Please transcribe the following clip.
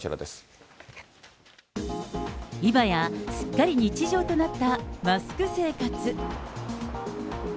今や、すっかり日常となったマスク生活。